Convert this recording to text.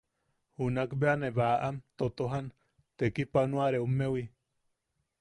Junak bea ne baʼam totojan tekipanoareommewi.